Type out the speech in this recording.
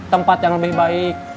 tempat yang lebih baik